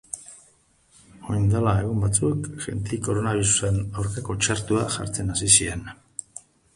Orain dela egun batzuk jendeari koronabirusaren aurkako txertoa jartzen hasi ziren.